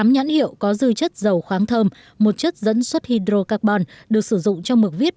tám nhãn hiệu có dư chất dầu khoáng thơm một chất dẫn xuất hydrocarbon được sử dụng trong mực viết